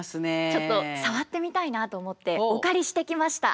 ちょっと触ってみたいなと思ってお借りしてきました。